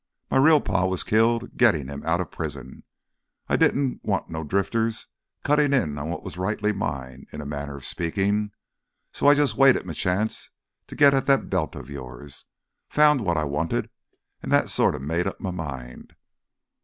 M' real pa was killed gittin' him outta prison. I didn't want no drifters cuttin' in on what was rightly mine, in a manner of speakin'. So I just waited m' chance to get at that belt of yours. Found what I wanted—an' that sorta made up m' mind.